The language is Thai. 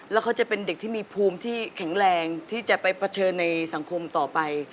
แล้วเขาจะเป็นเด็กที่มีภูมิที่แข็งแรงที่จะไปเผชิญในสังคมต่อไป